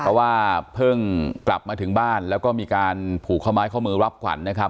เพราะว่าเพิ่งกลับมาถึงบ้านแล้วก็มีการผูกข้อไม้ข้อมือรับขวัญนะครับ